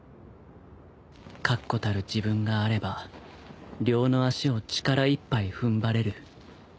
確固たる自分があれば両の足を力一杯踏ん張れる